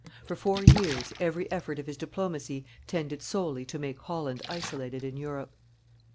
For four years, every effort of his diplomacy tended solely to make Holland isolated in Europe.